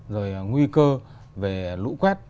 rồi nguy cơ về lũ quét